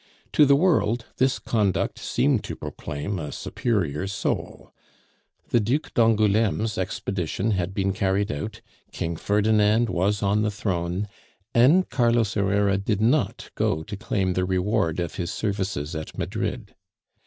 To the world this conduct seemed to proclaim a superior soul. The Duc d'Angouleme's expedition had been carried out, King Ferdinand was on the throne, and Carlos Herrera did not go to claim the reward of his services at Madrid.